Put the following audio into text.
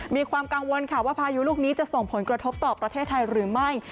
มีความกังวลค่ะว่าพายุลูกนี้จะส่งผลกระทบต่อประเทศไทยหรือไม่